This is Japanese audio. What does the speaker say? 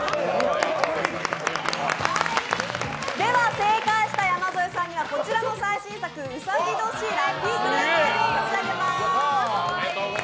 正解した山添さんにはこちらの最新作うさぎ年ラッピークリアファイルを差し上げます。